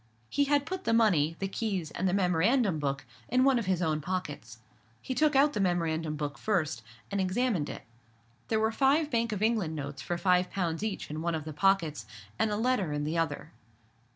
He had put the money, the keys, and the memorandum book, in one of his own pockets. He took out the memorandum book first, and examined it. There were five Bank of England notes for five pounds each in one of the pockets, and a letter in the other.